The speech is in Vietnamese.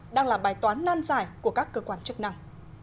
đang là bài toán nan giải của các cơ quan chức năng